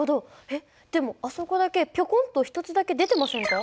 えっでもあそこだけピョコンと１つだけ出てませんか？